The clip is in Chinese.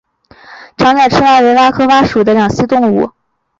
长脚赤蛙为蛙科蛙属的两栖动物。